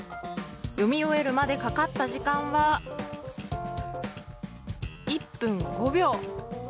読み終えるまでかかった時間は１分５秒。